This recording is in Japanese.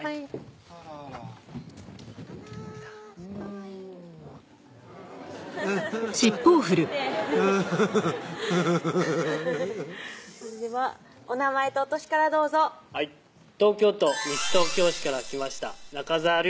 あらあらフフフ尻尾振ってフフフそれではお名前とお歳からどうぞはい東京都西東京市から来ました中澤隆